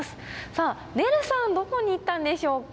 さあねるさんどこに行ったんでしょうか？